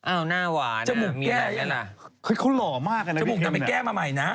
อ้าวหน้าวานนะมีอะไรกันระ